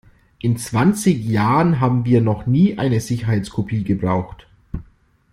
In zwanzig Jahren haben wir noch nie eine Sicherheitskopie gebraucht.